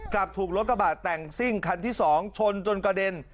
กลับถูกรถกระบาดแต่งซิ่งคันที่๒ชนจนกระเด็น